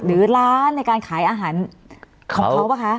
หรือร้านในการขายอาหารของเขาป่ะคะ